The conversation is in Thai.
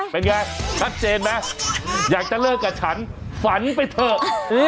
เป็นไงชัดเจนไหมอยากจะเลิกกับฉันฝันไปเถอะ